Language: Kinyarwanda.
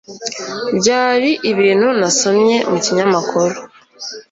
Byari ibintu nasomye mu kinyamakuru